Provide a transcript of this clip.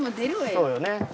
そうよね。